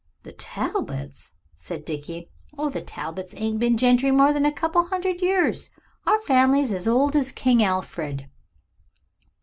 "The Talbots?" said Dickie. "Oh! the Talbots ain't been gentry more than a couple of hundred years. Our family's as old as King Alfred."